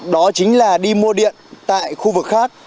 đó chính là đi mua điện tại khu vực khác